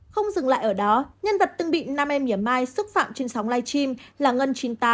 không dừng lại ở đó nhân vật từng bị nam em mể mai xúc phạm trên sóng live stream là ngân chín mươi tám